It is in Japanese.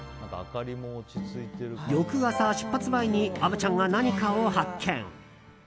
翌朝、出発前に虻ちゃんが何かを発見。